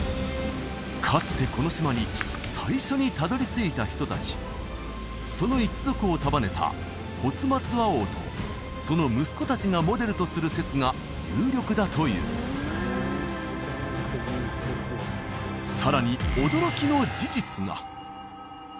かつてこの島に最初にたどり着いた人達その一族を束ねたホツマツア王とその息子達がモデルとする説が有力だというさらに驚きの事実が！